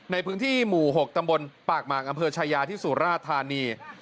ในพื้นที่หมู่๖ตำบลปากหมากอำเภอชายาที่สุราธานี